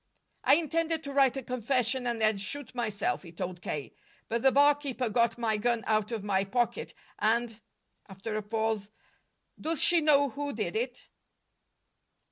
"I intended to write a confession and then shoot myself," he told K. "But the barkeeper got my gun out of my pocket. And " After a pause: "Does she know who did it?"